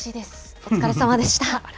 お疲れさまでした。